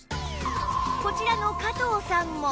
こちらの加藤さんも